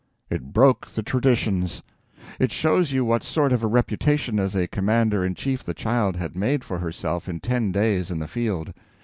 It broke the traditions. It shows you what sort of a reputation as a commander in chief the child had made for herself in ten days in the field.